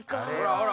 ほら！